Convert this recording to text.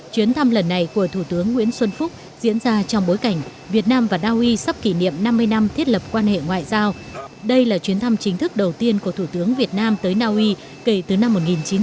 chuyến thăm lần này của thủ tướng nguyễn xuân phúc diễn ra trong bối cảnh việt nam và naui sắp kỷ niệm năm mươi năm thiết lập quan hệ ngoại giao đây là chuyến thăm chính thức đầu tiên của thủ tướng việt nam tới naui kể từ năm một nghìn chín trăm chín mươi